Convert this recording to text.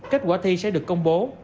kết quả thi sẽ được công bố